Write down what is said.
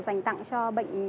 dành tặng cho bệnh